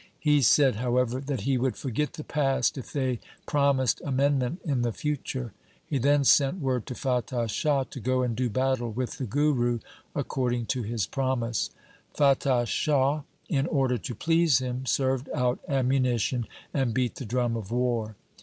He said, however, that he would forget the past if they promised amendment in the future. He then sent word to Fatah Shah to go and do battle with the Guru according to his promise. Fatah Shah, in order to please him, served out ammunition and beat the drum of war.